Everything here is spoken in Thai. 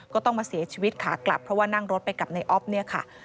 ก็ต้องมาเสียชีวิตขากลับเพราะว่านั่งรถไปกับในออฟเนี่ยค่ะ